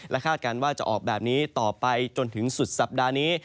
คาดการณ์ว่าจะออกแบบนี้ต่อไปจนถึงสุดสัปดาห์นี้